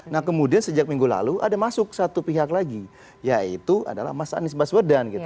nah kemudian sejak minggu lalu ada masuk satu pihak lagi yaitu adalah mas anies baswedan gitu